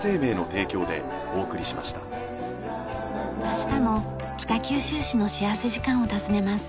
明日も北九州市の幸福時間を訪ねます。